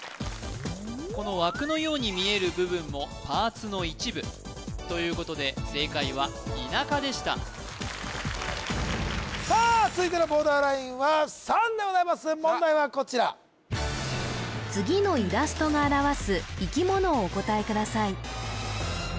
この枠のように見える部分もパーツの一部ということで正解は田舎でしたさあ続いてのボーダーラインは３でございます問題はこちら次のイラストが表す生き物をお答えください